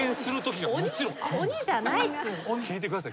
「聞いてください」